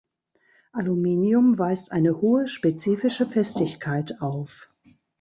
Aluminium weist eine hohe spezifische Festigkeit auf.